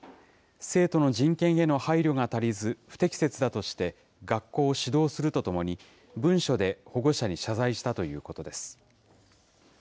生徒の人権への配慮が足りず、不適切だとして、学校を指導するとともに、文書で保護者に謝罪したということです。